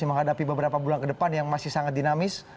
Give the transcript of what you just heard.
yang masih sangat dinamis